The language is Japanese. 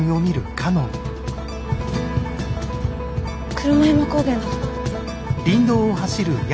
車山高原だ。